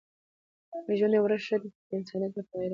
ژوند يوه ورځ ښه دی خو په انسانيت او په غيرت.